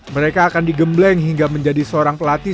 mereka akan digembleng hingga menjadi seorang pelatih